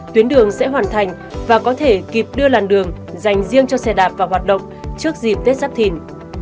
tuyến đường sẽ hoàn thành và có thể kịp đưa làn đường dành riêng cho xe đạp vào hoạt động trước dịp tết giáp thìn